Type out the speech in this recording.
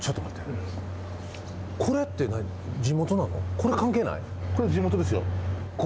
これ関係ない？